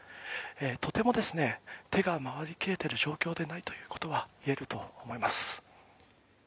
とても手が回りきれてる状況でないということは言えると思います。